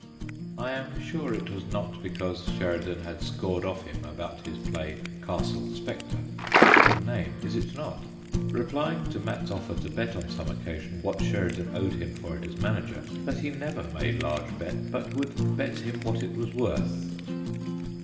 I am sure it was not because Sheridan had scored off him about his play Castle Spectre a fine name, is it not ? replying to Mat's offer to bet on some occasion what Sheridan owed him for it as manager, that he never made large bets, but would bet him what it was worth.